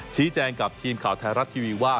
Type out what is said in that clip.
ชี้แจงกับทีมข่าวไทยรัฐทีวีว่า